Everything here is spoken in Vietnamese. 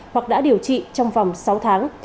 hoặc đã điều trị trong vòng sáu tháng